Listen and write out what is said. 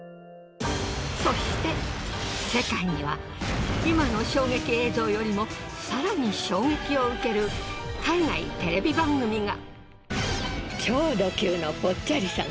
そして世界には今の衝撃映像よりもさらに衝撃を受ける海外テレビ番組が。